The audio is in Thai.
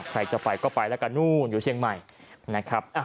ใครจะไปก็ไปแล้วกันนู่นอยู่เชียงใหม่นะครับ